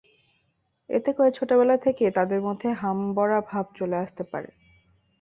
এতে করে ছোটবেলা থেকেই তাদের মধ্যে হামবড়া ভাব চলে আসতে পারে।